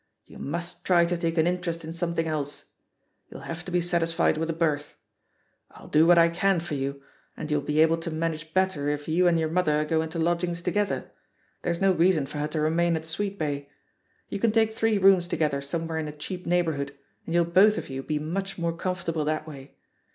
You must try to take an interest in something else — you'll have to be satisfied with a berth. I'll do what I can for you, and you'll be able to manage better if you and your mother go into lodgings together; there's no reason for her to remain at Sweetbay. You can take three rooms together somewhere in a cheap neighbourhood, and you'll both of you be much more comfortable that way.